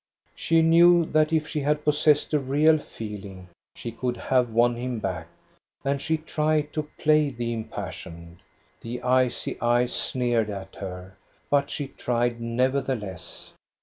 She knew that if she had possessed a real feeling she could have won him back. And she tried to play the impassioned. The icy eyes sneered at her, but she tried nevertheless.